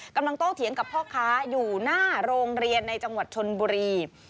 โตเถียงกับพ่อค้าอยู่หน้าโรงเรียนในจังหวัดชนบุรี